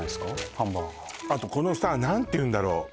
ハンバーガーあとこのさ何ていうんだろう